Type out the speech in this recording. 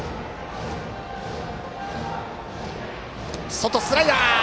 外スライダー！